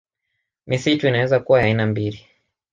Misitu inaweza kuwa ya aina mbili